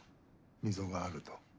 溝があると。